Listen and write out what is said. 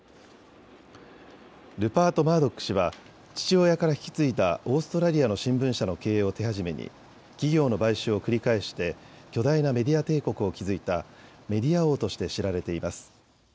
ルパート・マードック氏は父親から引き継いだオーストラリアの新聞社の経営を手始めに企業の買収を繰り返して巨大なメディア帝国を築いたメディア王として知られています。